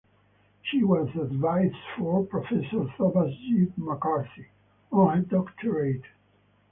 She was advised by Professor Thomas J. McCarthy on her doctorate.